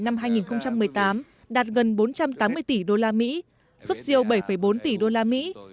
năm hai nghìn một mươi tám đạt gần bốn trăm tám mươi tỷ đô la mỹ xuất siêu bảy bốn tỷ đô la mỹ